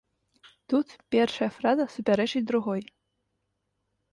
Тут першая фраза супярэчыць другой.